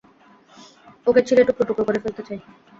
ওকে ছিঁড়ে টুকরো টুকরো করে ফেলতে চাই।